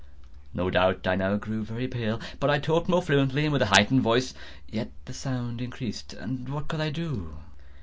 No doubt I now grew very pale;—but I talked more fluently, and with a heightened voice. Yet the sound increased—and what could I do?